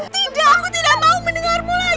tidak aku tidak mau mendengarmu lagi